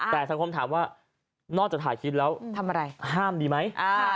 แต่สังคมถามว่านอกจากถ่ายคลิปแล้วทำอะไรห้ามดีไหม